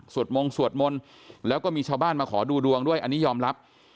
มงสวดมนต์แล้วก็มีชาวบ้านมาขอดูดวงด้วยอันนี้ยอมรับ